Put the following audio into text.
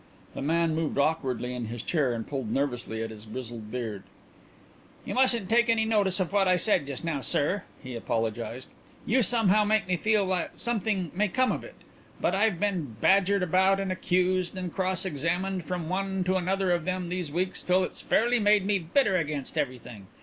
The man moved awkwardly in his chair and pulled nervously at his grizzled beard. "You mustn't take any notice of what I said just now, sir," he apologized. "You somehow make me feel that something may come of it; but I've been badgered about and accused and cross examined from one to another of them these weeks till it's fairly made me bitter against everything.